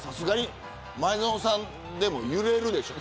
前園さんでも揺れるでしょう。